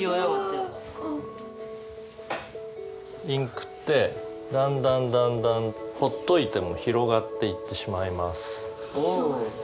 インクってだんだんだんだんほっといても広がっていってしまいます。